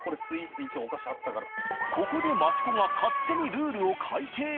ここで益子が勝手にルールを改定。